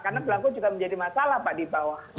karena belangko juga menjadi masalah pak di bawah